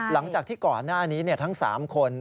หลังจากที่ก่อนหน้านี้ทั้ง๓คน